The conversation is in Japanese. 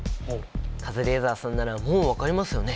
カズレーザーさんならもう分かりますよね？